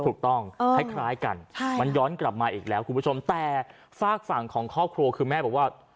ถูกต้องคล้ายกันมันย้อนกลับมาอีกแล้วคุณผู้ชมแต่ฝากฝั่งของครอบครัวคือแม่บอกว่า